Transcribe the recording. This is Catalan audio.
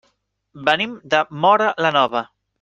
Venim de Móra la Nova.